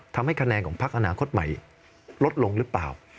ทำให้คะแนนของพักอนาคตใหม่ลดลงหรือเปล่า